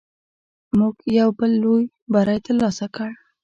موږ یو بل لوی بری تر لاسه کړ.